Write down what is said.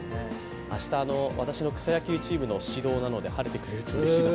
明日、私の草野球チームの指導なので、晴れてくれるとうれしいです。